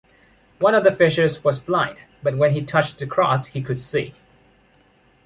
One of the fishers was blind, but when he touched the cross he could see.